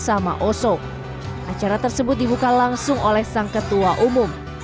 acara tersebut dibuka langsung oleh sang ketua umum